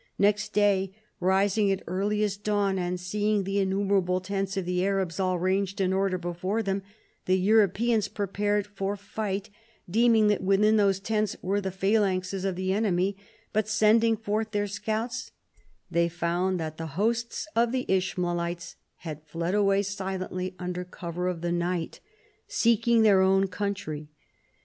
Next day, rising at earliest dawn and seeing the innumer able tents of the Arabs all ranged in order before them, the Europeans prepared for fight, deeming that within those tents were the phalanxes of the enemy; but sending forth their scouts they found that the hosts of the Ishmaelites had fled away silently under cover of the night, seeking their own country.